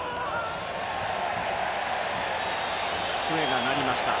笛が鳴りました。